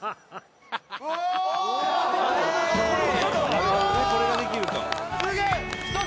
なるほどねこれができるか。